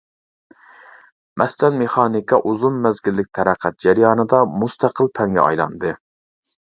مەسىلەن، مېخانىكا ئۇزۇن مەزگىللىك تەرەققىيات جەريانىدا مۇستەقىل پەنگە ئايلاندى.